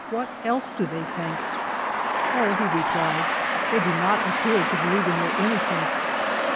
" What else do they think ?"" Oh," he replied, " they do not appear to be lieve in your innocence."